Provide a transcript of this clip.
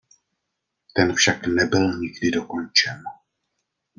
Ten však nebyl nikdy dokončen.